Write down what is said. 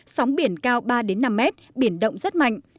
sóng biển cao ba năm mét biển động rất mạnh